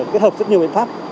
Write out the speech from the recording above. kết hợp rất nhiều biện pháp